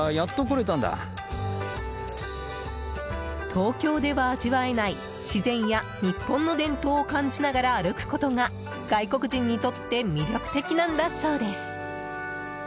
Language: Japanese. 東京では味わえない自然や日本の伝統を感じながら歩くことが外国人にとって魅力的なんだそうです。